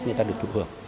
người ta được thuộc hưởng